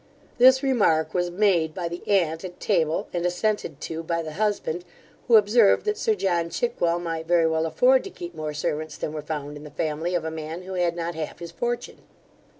This remark was made by the aunt at table, and assented to by the husband, who observed that sir John Chickwell might very well afford to keep more servants than were found in the family of a man who had not half his fortune.